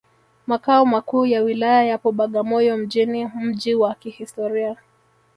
Makao Makuu ya Wilaya yapo Bagamoyo mjini mji wa kihistoria